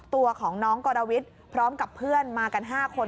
ตัวของน้องกรวิทย์พร้อมกับเพื่อนมากัน๕คน